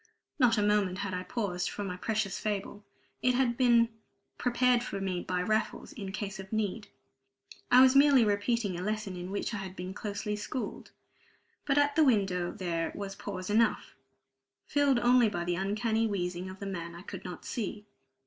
Not a moment had I paused for my precious fable. It had all been prepared for me by Raffles, in case of need. I was merely repeating a lesson in which I had been closely schooled. But at the window there was pause enough, filled only by the uncanny wheezing of the man I could not see.